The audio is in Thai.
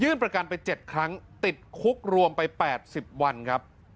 ยื่นประกันไปเจ็ดครั้งติดคุกรวมไปแปดสิบวันครับ